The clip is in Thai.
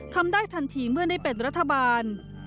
ทำได้ทันทีเมื่อได้เป็นรัฐบาล